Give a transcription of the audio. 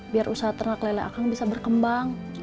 biar usaha ternak lele akang bisa berkembang